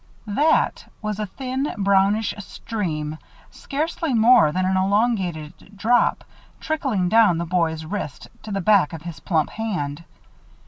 "That" was a thin, brownish stream, scarcely more than an elongated drop trickling down the boy's wrist to the back of his plump hand.